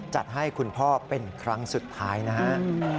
จัดให้คุณพ่อเป็นครั้งสุดท้ายนะฮะ